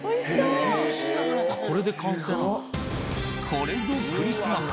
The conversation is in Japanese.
これぞクリスマス！